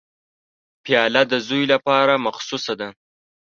پیاله د زوی لپاره مخصوصه ده.